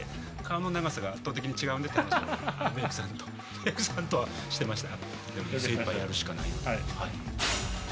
メイクさんとはしてました。